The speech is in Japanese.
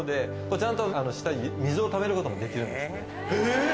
ちゃんと下に水をためることもできるんですね。